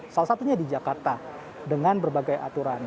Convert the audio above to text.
salah satunya di jakarta dengan berbagai aturan